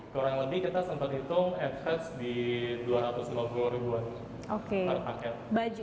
kurang lebih kita sempat hitung adverse di dua ratus lima puluh ribuan per paket